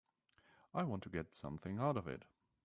I want to get something out of it.